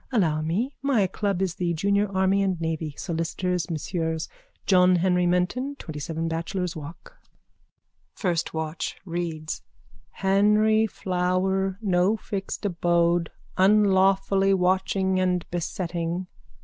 _ Allow me. My club is the Junior Army and Navy. Solicitors: Messrs John Henry Menton, 27 Bachelor's Walk. FIRST WATCH: (Reads.) Henry Flower. No fixed abode. Unlawfully watching and besetting.